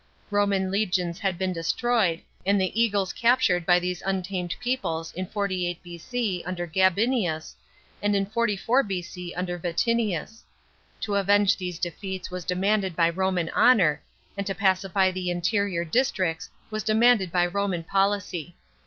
Roman legions had been destroyed, and the eagles captured by these untamed peoples, in 48 B.C. under Gabinius, and in 44 B.C. under Vatinius.. To avenge these defeats was demanded by Roman honour, and to pacify the interior districts was demanded by Roman policy.